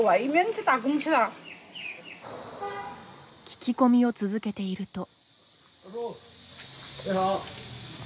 聞き込みを続けていると。